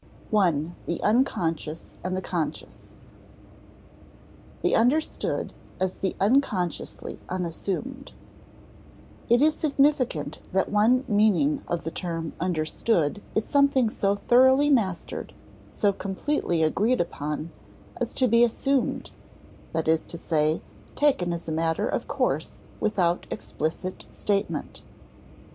§ 1. The Unconscious and the Conscious [Sidenote: The understood as the unconsciously assumed] It is significant that one meaning of the term understood is something so thoroughly mastered, so completely agreed upon, as to be assumed; that is to say, taken as a matter of course without explicit statement.